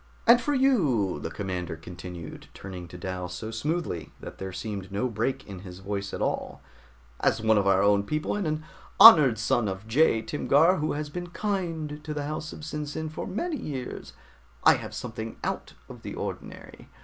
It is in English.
"And for you," the commander continued, turning to Dal so smoothly that there seemed no break in his voice at all, "as one of our own people, and an honored son of Jai Timgar, who has been kind to the house of SinSin for many years, I have something out of the ordinary.